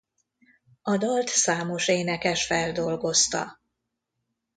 A dalt számos énekes feldolgozta.